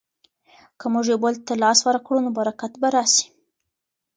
که موږ یو بل ته لاس ورکړو نو برکت به راسي.